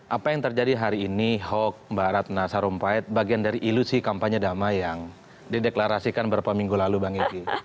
apa yang terjadi hari ini hoax mbak ratna sarumpait bagian dari ilusi kampanye damai yang dideklarasikan beberapa minggu lalu bang edi